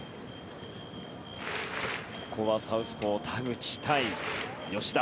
ここはサウスポー、田口対吉田。